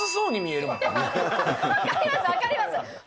分かります、分かります。